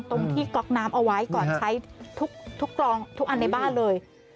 ตรงที่ก๊อกน้ำเอาไว้ก่อนใช้ทุกอันในบ้านเลย